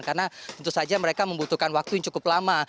karena tentu saja mereka membutuhkan waktu yang cukup lama